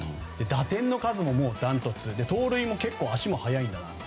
打点の数もダントツで盗塁でも結構足が速いんだなと。